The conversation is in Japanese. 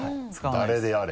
誰であれ。